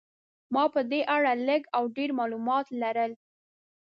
ما په دې اړه لږ او ډېر معلومات لرل.